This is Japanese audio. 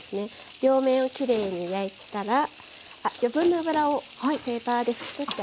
両面をきれいに焼いたら余分な脂をペーパーで拭き取ってあげます。